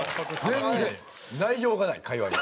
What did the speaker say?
全然内容がない会話に。